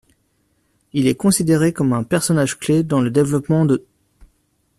Il est considéré comme un personnage clé dans le développement d'.